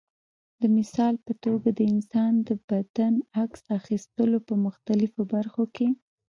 د مثال په توګه د انسان د بدن عکس اخیستلو په مختلفو برخو کې.